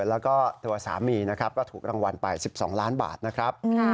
แล้วก็ตัวสามีนะครับก็ถูกรางวัลไป๑๒ล้านบาทนะครับ